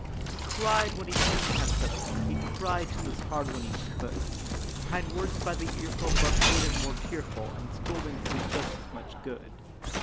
He cried when he couldn't have something; He cried just as hard when he could; Kind words by the earful but made him more tearful, And scoldings did just as much good.